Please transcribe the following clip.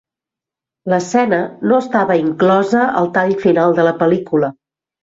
L'escena no estava inclosa al tall final de la pel·lícula.